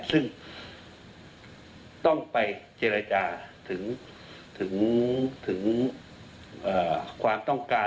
ซึ่งต้องไปเจรจาถึงความต้องการ